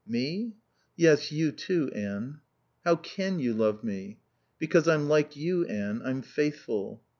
"Me?" "Yes, you too, Anne." "How can you love me?" "Because I'm like you, Anne; I'm faithful."